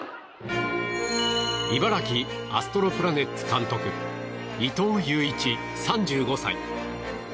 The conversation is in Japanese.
茨城アストロプラネッツ監督伊藤悠一、３５歳。